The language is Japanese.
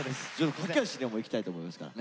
駆け足でもういきたいと思いますからね。